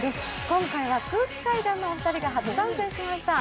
今回は空気階段のお二人が初参戦しました。